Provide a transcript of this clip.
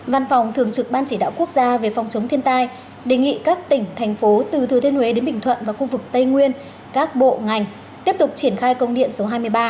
văn phòng thường trực ban chỉ đạo quốc gia về phòng chống thiên tai đề nghị các tỉnh thành phố từ thừa thiên huế đến bình thuận và khu vực tây nguyên các bộ ngành tiếp tục triển khai công điện số hai mươi ba